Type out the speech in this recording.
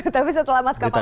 tapi setelah maskapai lion air